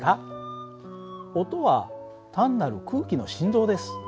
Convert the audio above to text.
音は単なる空気の振動です。